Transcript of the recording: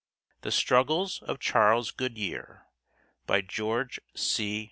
THE STRUGGLES OF CHARLES GOODYEAR By George C.